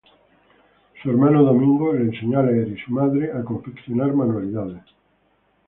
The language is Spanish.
Su hermano Domingo le enseñó a leer y su madre a confeccionar manualidades.